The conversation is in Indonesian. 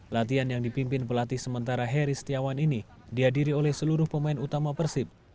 latihan yang dipimpin pelatih sementara heri setiawan ini dihadiri oleh seluruh pemain utama persib